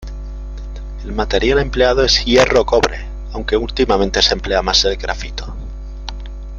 El material empleado es hierro o cobre aunque últimamente se emplea más el grafito.